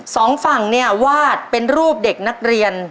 สองฝั่งเนี่ยวาดเป็นรูปเด็กนักเรียน